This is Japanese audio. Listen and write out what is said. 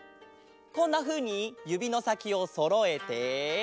こんなふうにゆびのさきをそろえて。